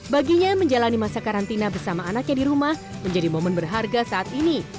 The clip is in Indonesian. baginya menjalani masa karantina bersama anaknya di rumah menjadi momen berharga saat ini